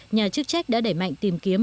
nhà chức trách đã đẩy mạnh tìm kiếm